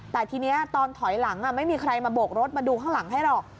แต่ทีนี้ตอนถอยหลังไม่มีใครมาโบกรถมาดูข้างหลังให้หรอก